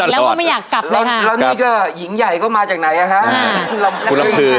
แล้วก็ไม่อยากกลับเลยแล้วนี่ก็หญิงใหญ่ก็มาจากไหนอ่ะคะ